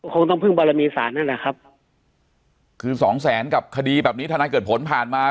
คงต้องพึ่งบารมีศาลนั่นแหละครับคือสองแสนกับคดีแบบนี้ทนายเกิดผลผ่านมา